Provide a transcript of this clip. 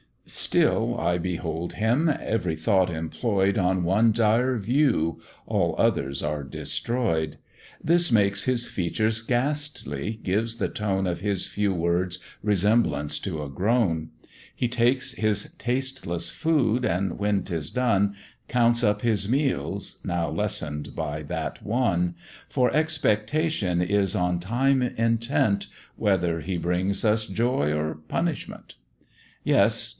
Still I behold him, every thought employ'd On one dire view! all others are destroy'd; This makes his features ghastly, gives the tone Of his few words resemblance to a groan; He takes his tasteless food, and when 'tis done, Counts up his meals, now lessen'd by that one; For expectation is on time intent, Whether he brings us joy or punishment. Yes!